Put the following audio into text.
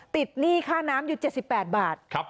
หนี้ค่าน้ำอยู่๗๘บาท